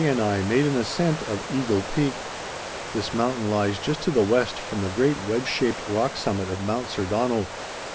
and I made an ascent of Eagle Peak. This mountain lies just to the west from the great wedge shaped rock summit of Mount Sir Donald.